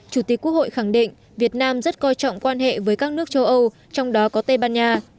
chủ tịch quốc hội khẳng định việt nam rất coi trọng quan hệ với các nước châu âu trong đó có tây ban nha